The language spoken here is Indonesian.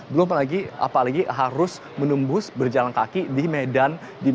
belum lagi apalagi harus menembus berjalan kaki di medan